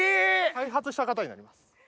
開発した方になります。